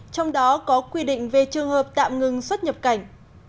trong đó có quy định về trường hợp tạm ngừng xuất nhập cảnh